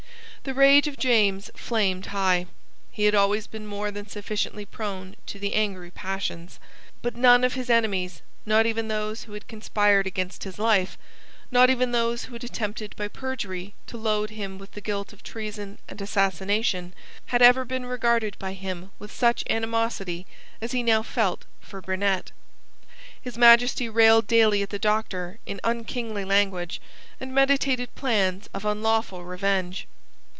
The rage of James flamed high. He had always been more than sufficiently prone to the angry passions. But none of his enemies, not even those who had conspired against his life, not even those who had attempted by perjury to load him with the guilt of treason and assassination, had ever been regarded by him with such animosity as he now felt for Burnet. His Majesty railed daily at the Doctor in unkingly language, and meditated plans of unlawful revenge.